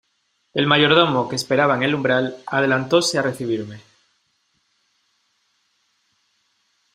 el mayordomo que esperaba en el umbral, adelantóse a recibirme ,